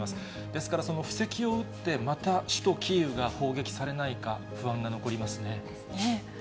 ですから、布石を打ってまた首都キーウが砲撃されないか、不安が残りますね。ですね。